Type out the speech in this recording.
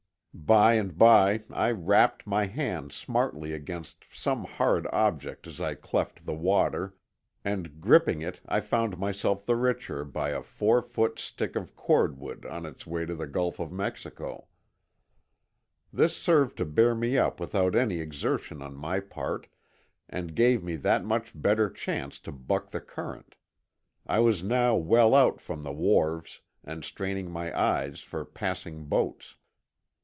By and by I rapped my hand smartly against some hard object as I cleft the water, and gripping it I found myself the richer by a four foot stick of cordwood on its way to the Gulf of Mexico. This served to bear me up without any exertion on my part, and gave me that much better chance to buck the current. I was now well out from the wharves, and straining my eyes for passing boats.